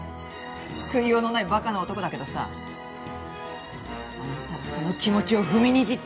救いようのないばかな男だけどさあんたらその気持ちを踏みにじった。